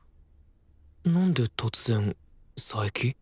なんで突然佐伯？